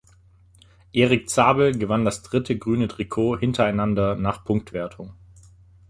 Erik Zabel gewann das dritte grüne Trikot hintereinander nach Punktwertung.